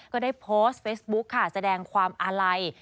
ก็ได้โพสต์เฟซบุ๊กแสดงความอะไหล